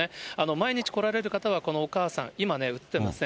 毎日来られる方は、このお母さん、今映ってますね。